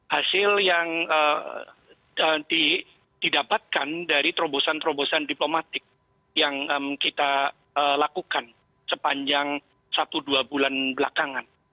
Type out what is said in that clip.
hasil yang didapatkan dari terobosan terobosan diplomatik yang kita lakukan sepanjang satu dua bulan belakangan